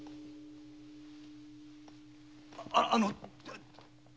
あっあの。